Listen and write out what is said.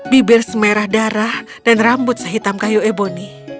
bibir semerah darah dan rambut sehitam kayu eboni